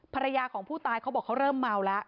ภรรยาของผู้ตายเขาบอกเขาเริ่มเมาแล้ว